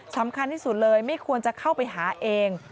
สำคัญที่สุดเลยไม่ควรจะเข้าไปหาเอง